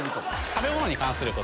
食べ物か。